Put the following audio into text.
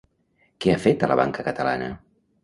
Què ha fet a la Banca Catalana?